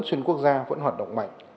xuyên quốc gia vẫn hoạt động mạnh